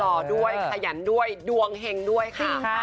ต่อด้วยขยันด้วยดวงเห็งด้วยค่ะ